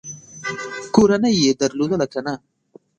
کورنۍ یې درلودله که نه ؟